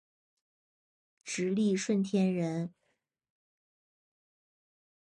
直隶顺天人。